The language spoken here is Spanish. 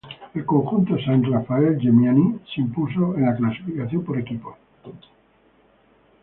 El conjunto Saint Raphael-Geminiani se impuso en la clasificación por equipos.